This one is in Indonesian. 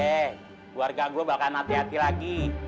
keluarga gua bakalan hati hati lagi